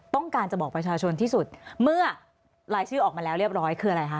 ต้องการจะบอกประชาชนที่สุดเมื่อรายชื่อออกมาแล้วเรียบร้อยคืออะไรคะ